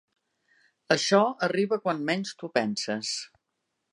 Això arriba quan menys t'ho penses.